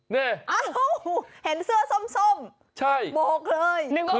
นี่โอ้โฮเห็นเสื้อส้มโบกเลยนึกว่าวิน